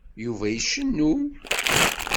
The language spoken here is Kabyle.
Yuba icennu.